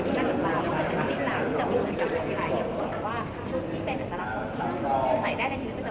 ไม่ได้สบายไม่ได้สิ้นหลายไม่ได้สบายไม่ได้สบาย